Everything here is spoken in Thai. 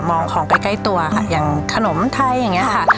ของใกล้ตัวค่ะอย่างขนมไทยอย่างนี้ค่ะ